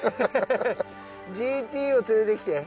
ＧＴを連れてきて。